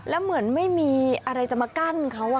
แล้วเหมือนไม่มีอะไรจะมากั้นเขา